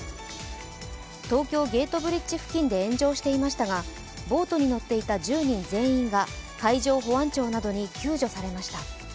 東京ゲートブリッジ付近で炎上していましたが、ボートに乗っていた１０人全員が海上保安庁などに救助されました。